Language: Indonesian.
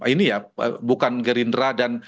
ini ya bukan gerindra dan